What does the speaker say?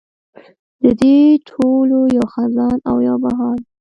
د دې ټولو یو خزان او یو بهار و.